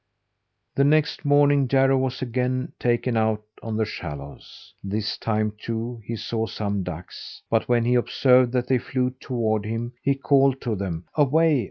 The next morning Jarro was again taken out on the shallows. This time, too, he saw some ducks. But when he observed that they flew toward him, he called to them: "Away!